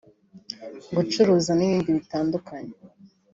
gucuruza n’ibindi bitandukanye